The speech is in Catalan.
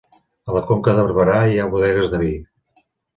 A la Conca de Barberà hi ha bodegues de vi